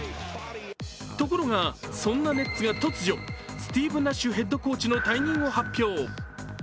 ところが、そんなネッツが突如スティーブ・ナッシュヘッドコーチの退任を発表。